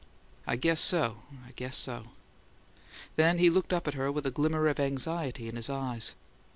"I guess so; I guess so." Then he looked up at her with a glimmer of anxiety in his eyes.